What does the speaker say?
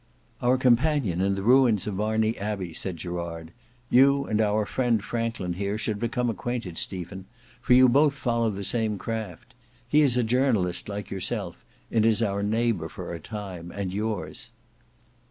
"Our companion in the ruins of Marney Abbey," said Gerard; "you and our friend Franklin here should become acquainted, Stephen, for you both follow the same craft. He is a journalist like yourself, and is our neighbour for a time, and yours."